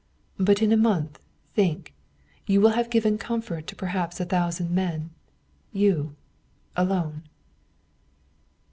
But in a month, think! You will have given comfort to perhaps a thousand men. You alone!"